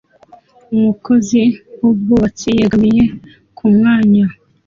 Umukozi wubwubatsi yegamiye ku mwanya